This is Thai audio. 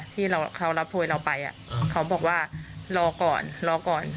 ที่เขารับโพยเราไปเขาบอกว่ารอก่อนรอก่อน